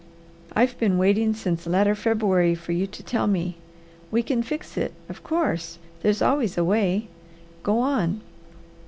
I've been waiting since latter February for you to tell me. We can fix it, of course; there's always a way. Go on!"